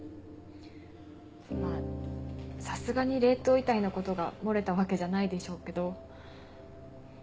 まぁさすがに冷凍遺体のことが漏れたわけじゃないでしょうけど。